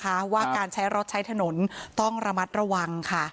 เพราะว่าการใช้รถใช้ถนนต้องระมัดระวังค่ะ